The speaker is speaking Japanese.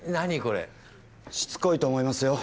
しつこいと思いますよ。